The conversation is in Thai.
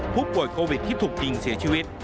ผู้ป่วยโควิดที่ถูกยิงเสียชีวิต